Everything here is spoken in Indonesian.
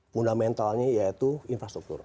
fundamentalnya yaitu infrastruktur